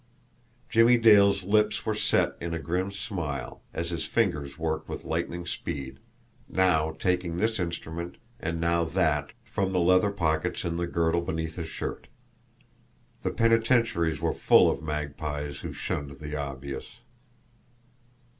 Jimmie Dale's lips were set in a grim smile, as his fingers worked with lightning speed, now taking this instrument and now that from the leather pockets in the girdle beneath his shirt the penitentiaries were full of Magpies who shunned the obvious!